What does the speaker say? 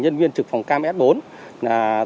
nhân viên trực phòng cam s bốn